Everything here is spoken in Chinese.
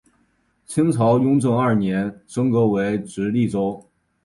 清朝雍正二年升格为直隶州。